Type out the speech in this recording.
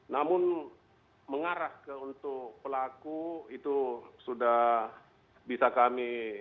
namun mengarah ke untuk pelaku itu sudah bisa kami